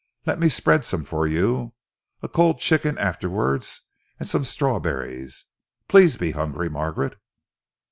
Let me spread some for you. A cold chicken afterwards, and some strawberries. Please be hungry, Margaret."